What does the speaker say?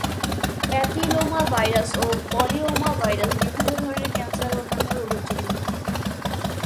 Papilloma virus ও polyoma virus বিভিন্ন ধরনের ক্যানসার ও অন্যান্য রোগের জন্য দায়ী।